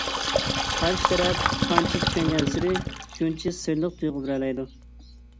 قارشى تەرەپ قانچە چۈشەنگەنسېرى شۇنچە سىرلىق تۇيغۇ بېرەلەيدۇ.